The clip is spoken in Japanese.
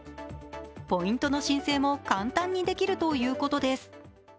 ポイントの申請も簡単にできるということです。